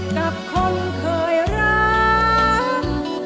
กับคนเคยรัก